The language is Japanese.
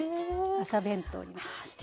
朝弁当になります。